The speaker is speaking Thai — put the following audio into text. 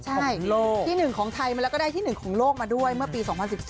ใช่ที่๑ของไทยมาแล้วก็ได้ที่๑ของโลกมาด้วยเมื่อปี๒๐๑๔